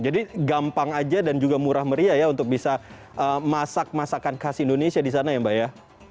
jadi gampang aja dan juga murah meriah ya untuk bisa masak masakan khas indonesia disana ya mbak ya